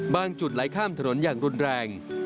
จุดไหลข้ามถนนอย่างรุนแรง